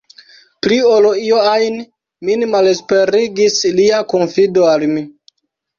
Pli ol io ajn, min malesperigis lia konfido al mi.